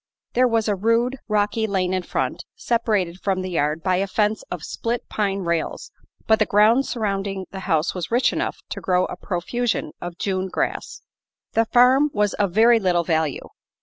There was a rude, rocky lane in front, separated from the yard by a fence of split pine rails, but the ground surrounding the house was rich enough to grow a profusion of June grass. The farm was of very little value.